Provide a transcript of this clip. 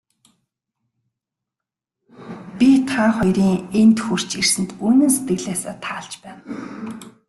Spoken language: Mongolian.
Би та хоёрын энд хүрч ирсэнд үнэн сэтгэлээсээ таалж байна.